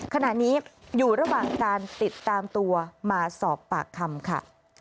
ขณะนี้อยู่ระหว่างการติดตามตัวมาสอบปากคำค่ะ